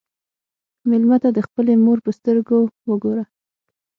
مېلمه ته د خپلې مور په سترګو وګوره.